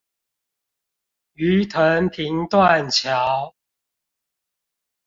魚藤坪斷橋